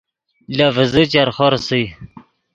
لے ڤیزے چرخو ریسئے